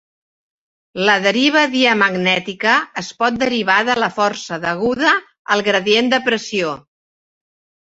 La deriva diamagnètica es pot derivar de la força deguda al gradient de pressió.